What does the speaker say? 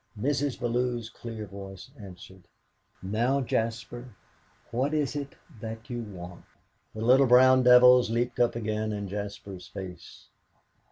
Mrs. Bellew's clear voice answered: "Now, Jaspar, what is it that you want?" The little brown devils leaped up again in Jaspar's face.